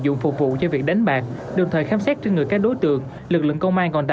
dụng phục vụ cho việc đánh bạc đồng thời khám xét trên người các đối tượng lực lượng công an còn